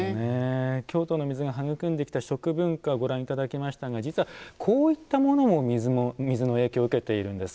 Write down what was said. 京都の水が育んできた食文化をご覧いただきましたが実はこういったものも水の影響を受けているんです。